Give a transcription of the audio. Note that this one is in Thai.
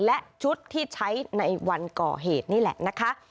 และชุดที่ใช้ในวันก่อเหตุนี่แหละนะคะ